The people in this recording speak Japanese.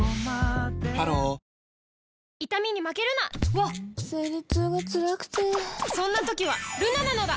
ハローわっ生理痛がつらくてそんな時はルナなのだ！